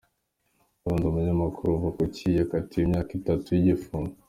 Burundi Umunyamakuru Ruvakuki yakatiwe imyaka itatu y’igifungo